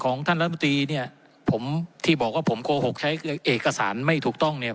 ท่านรัฐมนตรีเนี่ยผมที่บอกว่าผมโกหกใช้เอกสารไม่ถูกต้องเนี่ย